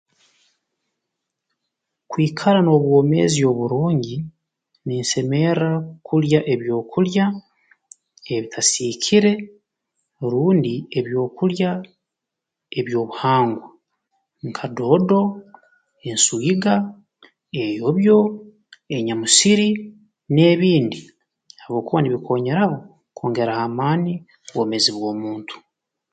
Kwikara n'obwomeezi oburungi ninsemerra kulya ebyokulya ebitasiikire rundi ebyokulya eby'obuhangwa nka doodoenswiga eyobyo enyamusiri n'ebindi habwokuba nibikoonyeraho kwongeraho amaani obwomeezi bw'omuntu